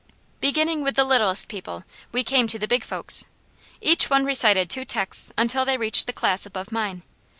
Beginning with the littlest people, we came to the big folks. Each one recited two texts until they reached the class above mine.